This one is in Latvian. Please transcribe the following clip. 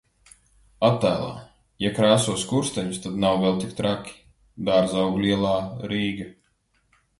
Attēlā: Ja krāso skursteņus, tad nav vēl tik traki. Dārzaugļu ielā, Rīga.